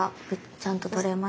ちゃんと取れました。